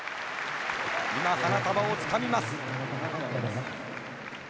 今、花束をつかみます。